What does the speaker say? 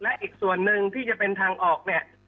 และอีกส่วนหนึ่งที่จะเป็นทางออกเนี่ย